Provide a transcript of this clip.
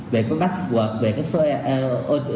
về cái password về cái số lpt